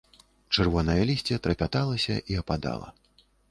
Чырвонае лісце трапяталася і ападала.